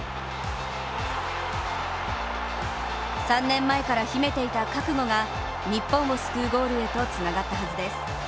３年前から秘めていた覚悟が日本を救うゴールへとつながったはずです。